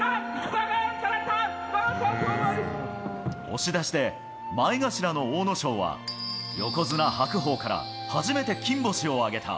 押し出しで、前頭の阿武咲は、横綱・白鵬から初めて金星を挙げた。